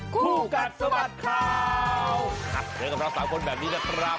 คู่กัดสมัตย์ข่าวครับเดี๋ยวกับเราสามคนแบบนี้นะครับ